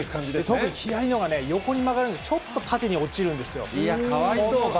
特に左のほうがね、横に曲がるんで、ちょっと縦に落ちるんですよ。